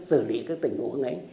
xử lý các tình huống ấy